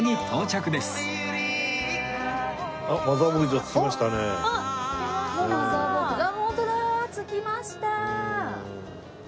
着きました。